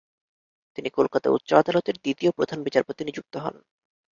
তিনি কলকাতা উচ্চ আদালতের দ্বিতীয় প্রধান বিচারপতি নিযুক্ত হন।